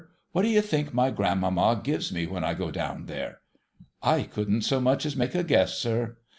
' What do you think my grandmamma gives me when I go down there ?'' I couldn't so much as make a guess, sir.'